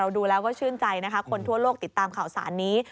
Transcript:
ดูแล้วก็ชื่นใจนะคะคนทั่วโลกติดตามข่าวสารนี้